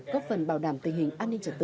góp phần bảo đảm tình hình an ninh trật tự